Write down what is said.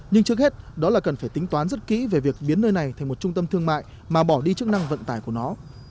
nhưng trước hết đó là cần phải tính toán rất kỹ về việc biến nơi này thành một trung tâm thương mại mà bỏ đi chức năng vận tải của nó